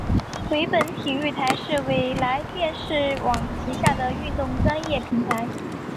纬来体育台是纬来电视网旗下的运动专业频道。